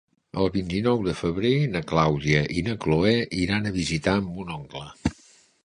El vint-i-nou de febrer na Clàudia i na Cloè iran a visitar mon oncle.